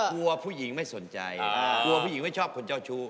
ผู้หญิงไม่สนใจกลัวผู้หญิงไม่ชอบคนเจ้าชู้